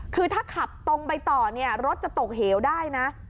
คือถ้าขับตรงไปต่อเนี่ยรถจะตกเหวได้นะ